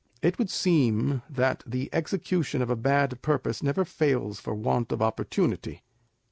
It would seem that the execution of a bad purpose never fails for want of opportunity.